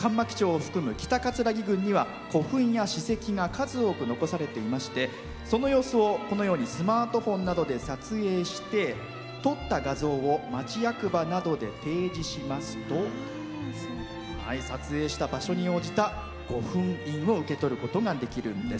上牧町には古墳や史跡が数多く残されていましてその様子をスマートフォンで撮影して、撮った画像を町役場などで提示しますと撮影した場所に応じた御墳印を受け取ることができるんです。